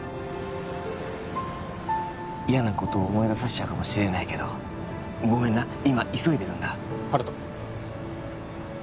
嫌なことを思いださせちゃうかもしれないけどごめんな今急いでるんだ温人